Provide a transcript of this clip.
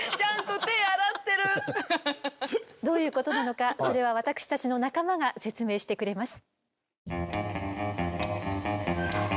どういうことなのかそれは私たちの仲間が説明してくれます。